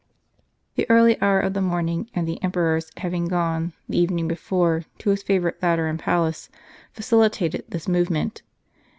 The early hour of the morning, and the emperor's having gone, the evening before, to his favorite Lateran palace, facilitated this movement.